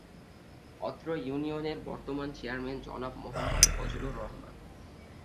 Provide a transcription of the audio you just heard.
অত্র ইউনিয়নের বর্তমান চেয়ারম্যান জনাব মোহাম্মদ ফজলুর রহমান।